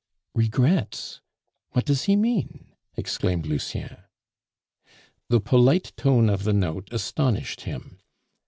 "Regrets! What does he mean?" exclaimed Lucien. The polite tone of the note astonished him.